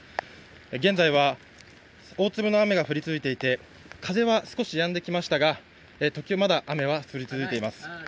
現在は、大粒の雨が降り続いていて、風は少しやんできましたが、雨は降り続いています。